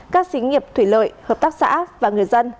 các xí nghiệp thủy lợi hợp tác xã và người dân